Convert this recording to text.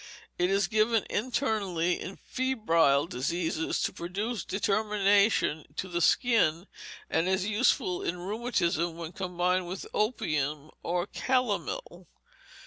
It is given internally, in febrile diseases, to produce determination to the skin, and is useful in rheumatism, when combined with opium or calomel.